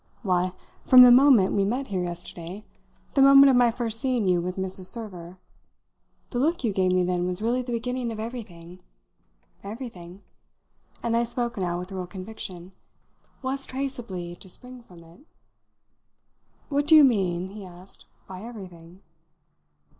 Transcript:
"Why, from the moment we met here yesterday the moment of my first seeing you with Mrs. Server. The look you gave me then was really the beginning of everything. Everything" and I spoke now with real conviction "was traceably to spring from it." "What do you mean," he asked, "by everything?"